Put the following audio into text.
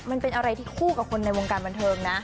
มันเป็นอะไรที่คู่กับคนในวงการบันเทิงนะ